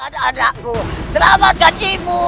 kata anakku selamatkan ibu